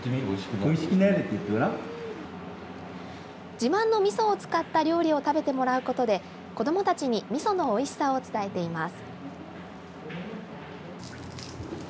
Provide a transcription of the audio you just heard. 自慢のみそを使った料理を食べてもらうことで子どもたちに、みそのおいしさを伝えています。